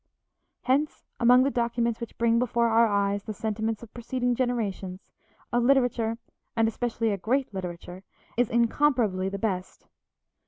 Hence, among the documents which bring before our eyes the sentiments of preceding generations, a literature, and especially a great literature, is incomparably the best.